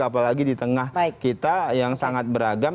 apalagi di tengah kita yang sangat beragam